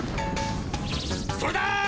それだ！